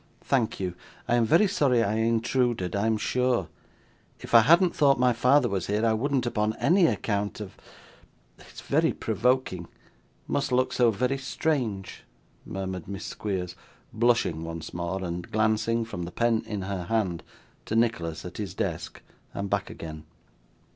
'Thank you! I am very sorry I intruded, I am sure. If I hadn't thought my father was here, I wouldn't upon any account have it is very provoking must look so very strange,' murmured Miss Squeers, blushing once more, and glancing, from the pen in her hand, to Nicholas at his desk, and back again.